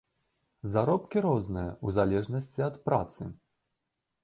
Заробкі розныя, у залежнасці ад працы.